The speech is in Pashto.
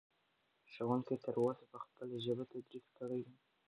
ښوونکي تر اوسه په خپله ژبه تدریس کړی دی.